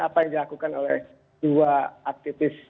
apa yang dilakukan oleh dua aktivis